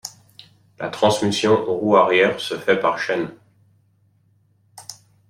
La transmission aux roues arrière se fait par chaine.